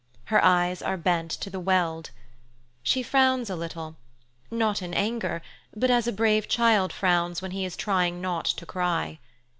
Her eyes are bent to the Weald. She frowns a little—not in anger, but as a brave child frowns when he is trying not to cry.